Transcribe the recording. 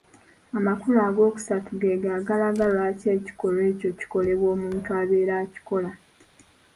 Amakulu agookusatu geego agalaga lwaki ekikolwa ekyo kikolebwa omuntu abeera akikola